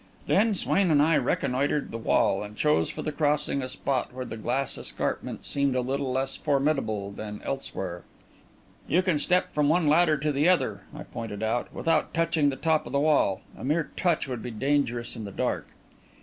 Then Swain and I reconnoitred the wall, and chose for the crossing a spot where the glass escarpment seemed a little less formidable than elsewhere. "You can step from one ladder to the other," I pointed out, "without touching the top of the wall. A mere touch would be dangerous in the dark."